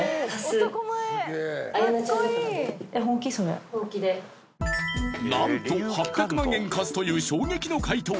それ何と８００万円貸すという衝撃の回答